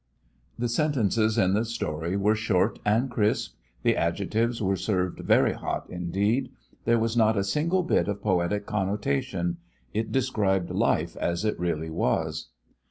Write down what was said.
The sentences in the story were short and crisp. The adjectives were served very hot indeed. There was not a single bit of poetic connotation. It described life as it really was.